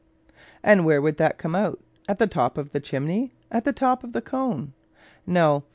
And where would that come out? At the top of the chimney? At the top of the cone? No.